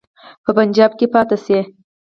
په پنجاب کې پاته شي.